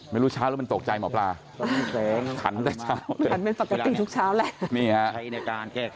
ไม่รู้เช้าหรือมันตกใจหมอปลาขันแต่เช้าขันเป็นปกติทุกเช้าแหละ